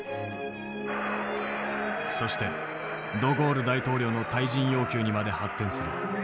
そしてドゴール大統領の退陣要求にまで発展する。